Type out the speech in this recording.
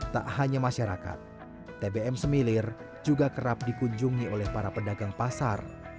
tak hanya masyarakat tbm semilir juga kerap dikunjungi oleh para pedagang pasar